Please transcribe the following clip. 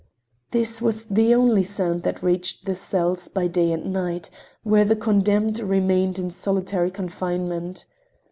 This was the only sound that reached the cells, by day and night, where the condemned remained in solitary confinement.